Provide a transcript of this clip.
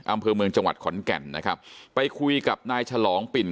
อำเภอเมืองจังหวัดขอนแก่นนะครับไปคุยกับนายฉลองปิ่น